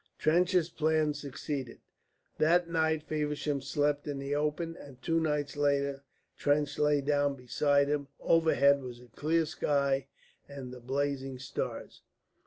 Trench's plan succeeded. That night Feversham slept in the open, and two nights later Trench lay down beside him. Overhead was a clear sky and the blazing stars.